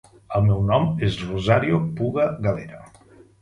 El meu nom és Rosario Puga Galera.